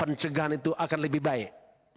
pencegahan itu akan lebih baik